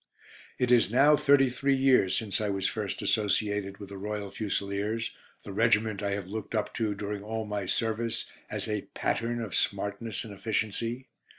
"It is now thirty three years since I was first associated with the Royal Fusiliers, the regiment I have looked up to during all my service as a pattern of smartness and efficiency.